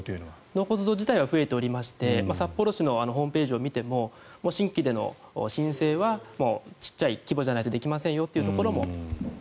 納骨堂自体は増えていまして札幌市のホームページを見ても新規での申請は小さい規模じゃないとできませんよというところも。